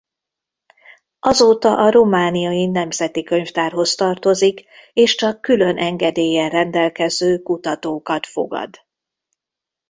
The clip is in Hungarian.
Azóta a romániai nemzeti könyvtárhoz tartozik és csak külön engedéllyel rendelkező kutatókat fogad.